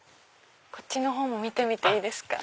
こっちのほうも見ていいですか？